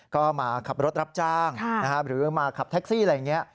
ก็มาขับรถรับจ้างหรือมาขับแท็กซี่อะไรอย่างนี้